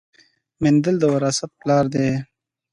مندل د وراثت پلار دی